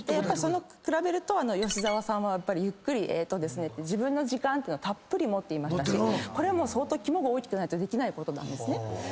で比べると吉沢さんはゆっくりえーっとですねって自分の時間をたっぷり持っていましたしこれは相当肝が大きくないとできないことなんですね。